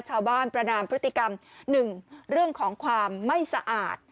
ประนามพฤติกรรม๑เรื่องของความไม่สะอาด